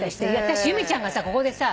私由美ちゃんがここでさ